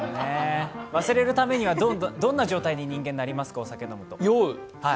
忘れるためには、どんな状態に人間はなりますか？